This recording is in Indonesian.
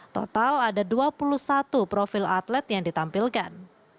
total ada dua puluh satu profil atlet yang ditampilkan